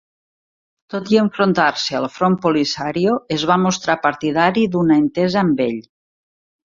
Tot i enfrontar-se al Front Polisario, es va mostrar partidari d'una entesa amb ell.